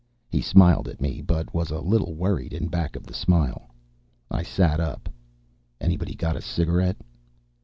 He smiled at me, but he was a little worried in back of the smile. I sat up. "Anybody got a cigarette?"